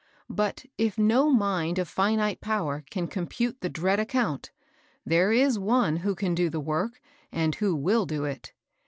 But, if no mind of finite power can compute the dread account, there is One who can do the work, and who will do it.